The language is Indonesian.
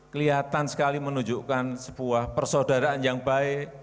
kelihatan sekali menunjukkan sebuah persaudaraan yang baik